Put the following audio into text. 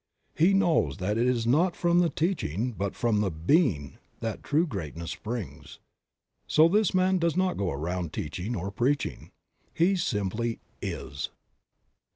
He knows that it is not from the teaching but from the being that true greatness springs. So this man does not go around teaching or preaching; he simply IS.